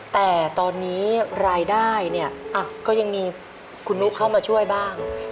แต่ตอนนี้รายได้เนี่ยก็ยังมีคุณนุเข้ามาช่วยบ้าง